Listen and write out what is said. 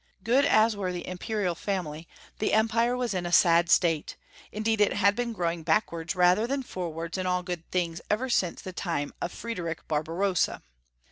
Good as were the Imperial family, the Empire was in a sad state; indeed it had been growing backwards rather than forwards in all good things ever since the time of Friedrich Barbarossa.